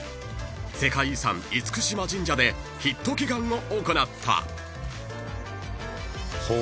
［世界遺産厳島神社でヒット祈願を行った］